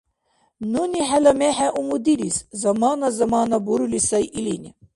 «Нуни хӀела мехӀе умудирис» — замана-замана бурули сай илини.